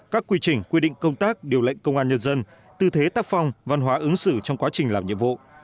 các quy trình quy định công tác điều lệnh công an nhân dân tư thế tác phong văn hóa ứng xử trong quá trình làm nhiệm vụ